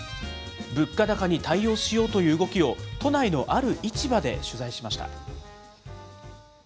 物価高に対応しようという動きを、都内のある市場で取材しました。